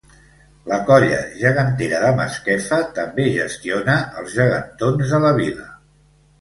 La Colla Gegantera de Masquefa també gestiona els Gegantons de la Vila.